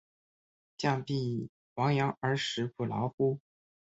将必俟亡羊而始补牢乎！